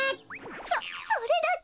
そそれだけ！？